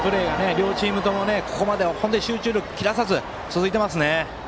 両チームとも、ここまでは本当に集中力を切らさず続いていますね。